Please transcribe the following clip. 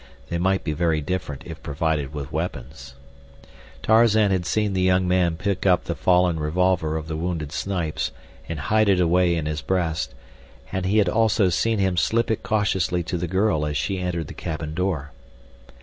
They might be very different if provided with weapons. Tarzan had seen the young man pick up the fallen revolver of the wounded Snipes and hide it away in his breast; and he had also seen him slip it cautiously to the girl as she entered the cabin door.